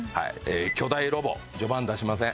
巨大ロボ序盤出しません。